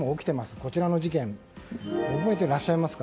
こちらの事件覚えてらっしゃいますか。